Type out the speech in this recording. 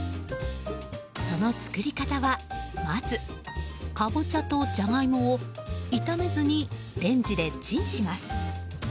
その作り方はまず、カボチャとジャガイモを炒めずにレンジでチンします。